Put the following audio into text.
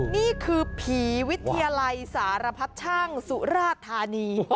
นี่คือผีวิทยาลัยสารพัดช่างสุราธานี